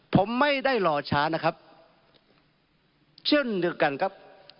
ผมไม่ได้รอช้านะครับเช่นเดียวกันครับ